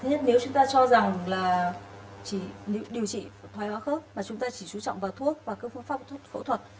thứ nhất nếu chúng ta cho rằng là chỉ điều trị thoái hóa khớp mà chúng ta chỉ chú trọng vào thuốc và các phương pháp thuốc phẫu thuật